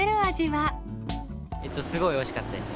すごいおいしかったです。